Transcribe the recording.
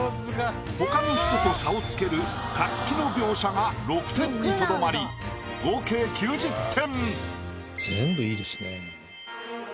他の人と差をつける活気の描写が６点にとどまり合計９０点。